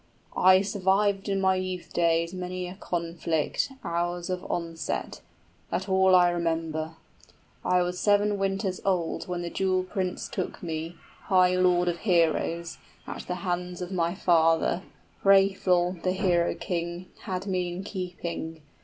} 35 "I survived in my youth days many a conflict, Hours of onset: that all I remember. I was seven winters old when the jewel prince took me, High lord of heroes, at the hands of my father, Hrethel the hero king had me in keeping, {Hrethel took me when I was seven.